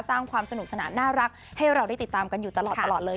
สร้างความสนุกสนานน่ารักให้เราได้ติดตามกันอยู่ตลอดเลย